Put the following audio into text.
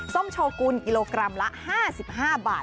ส้มโชกุลกิโลกรัมละ๕๕บาท